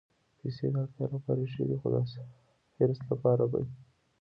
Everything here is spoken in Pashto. پېسې د اړتیا لپاره ښې دي، خو د حرص لپاره بدې.